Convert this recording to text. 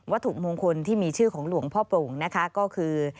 ถูกมงคลที่มีชื่อของหลวงพ่อโปร่งนะคะก็คือ